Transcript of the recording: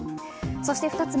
そして２つ目。